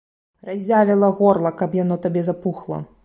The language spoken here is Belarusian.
Разявіла горла, каб яно табе запухла!